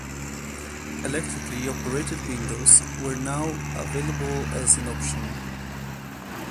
Electrically operated windows were now available as an option.